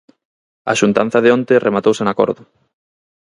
A xuntanza de onte rematou sen acordo.